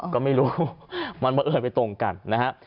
ก็ไม่รู้มันบังเอิญไปตรงกันนะฮะ